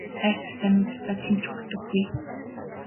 Хайрцаг тамхи татаад хэн ч үхдэггүй.